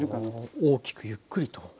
大きくゆっくりと。